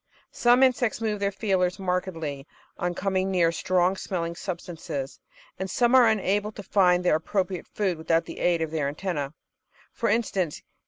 Some insects move their feelers markedly on coming near strong smell ing substances, and some are unable to find their appropriate food without the aid of their antennas. For instance.